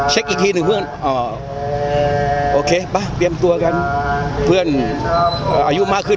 อีกทีหนึ่งเพื่อนโอเคไปเตรียมตัวกันเพื่อนอายุมากขึ้น